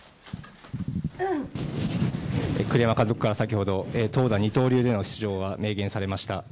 栗山監督から先ほど投打二刀流の出場が明言されました。